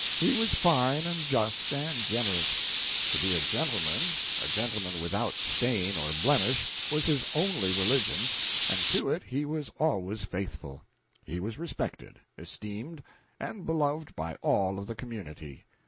He was fine and just and generous. To be a gentleman a gentleman without stain or blemish was his only religion, and to it he was always faithful. He was respected, esteemed and beloved by all the community.